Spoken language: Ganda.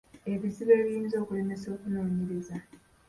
Ebizibu ebiyinza okulemesa omunoonyereza.